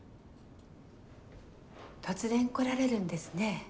突然来られるんですね。